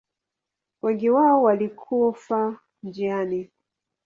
Wengi wao walikufa njiani.